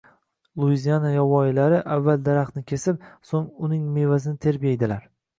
Luiziana yovvoyilari avval daraxtni kesib, so‘ng uning mevasini terib yeydilar.